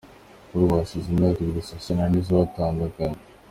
Kuri ubu hashize imyaka ibiri Sacha na Nizzo batandukanye.